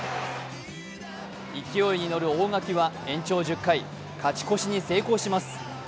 勢いに乗る大垣は延長１０回、勝ち越しに成功します。